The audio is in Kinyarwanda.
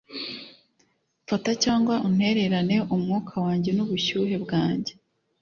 Fata cyangwa untererane umwuka wanjye n'ubushyuhe bwanjye